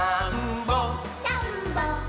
「たんぼっ！